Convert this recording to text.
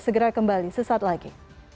segera kembali sesaat lagi